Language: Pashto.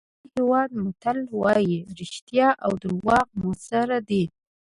د سینیګال هېواد متل وایي رښتیا او دروغ موثر دي.